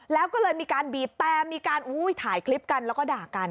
แล้วก็เลยมีการบีบแต่มีการถ่ายคลิปกันแล้วก็ด่ากัน